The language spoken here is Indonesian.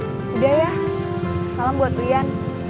sudah ya salam buat rian